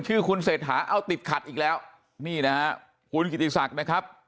ชื่อคุณเศรษฐาเอาติดขัดอีกแล้วนี่นะฮะคุณกิติศักดิ์นะครับ